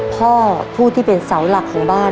พ่อผู้ที่เป็นเสาหลักของบ้าน